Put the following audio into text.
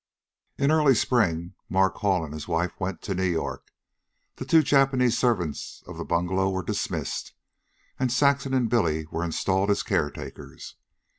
In the early spring, Mark Hall and his wife went to New York, the two Japanese servants of the bungalow were dismissed, and Saxon and Billy were installed as caretakers.